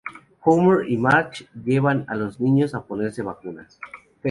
Homer y Marge llevan a los niños a ponerse vacunas.